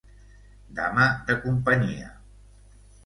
Dama de companyia.